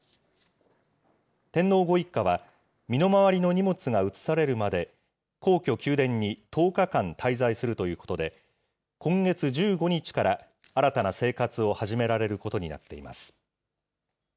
天皇ご一家は、身の回りの荷物が移されるまで、皇居・宮殿に１０日間滞在するということで、今月１５日から新たな生活を始められることになっています。